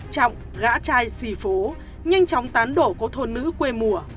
trọng gã trai xì phố nhanh chóng tán đổ cô thôn nữ quê mùa